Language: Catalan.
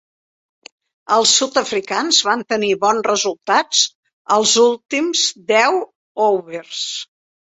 Els sud-africans van tenir bons resultats als últims deu overs.